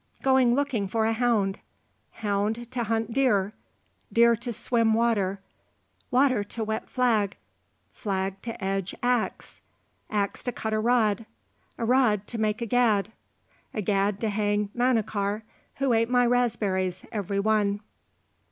"Going looking for a hound, hound to hunt deer, deer to swim water, water to wet flag, flag to edge axe, axe to cut a rod, a rod to make a gad, a gad to hang Manachar, who ate my raspberries every one."